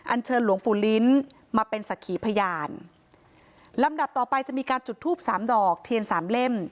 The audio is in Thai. เชิญหลวงปู่ลิ้นมาเป็นสักขีพยานลำดับต่อไปจะมีการจุดทูปสามดอกเทียนสามเล่ม